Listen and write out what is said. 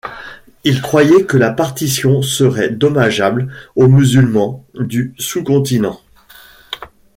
Il croyait que la partition serait dommageable aux musulmans du sous-continent.